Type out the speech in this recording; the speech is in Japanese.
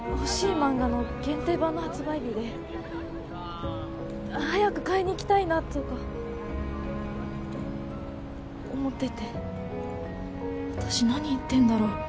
漫画の限定版の発売日で早く買いに行きたいなとか思ってて私何言ってんだろう